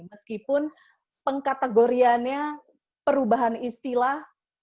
meskipun pengkategoriannya perubahan istilah